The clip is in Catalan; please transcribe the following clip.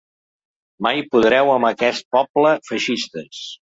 Mai podreu amb aquest poble, feixistes.